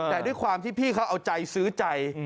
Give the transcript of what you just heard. แต่ด้วยความที่พี่เขาเอาใจซื้อใจ